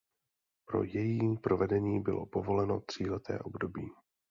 Pro její provedení bylo povoleno tříleté období.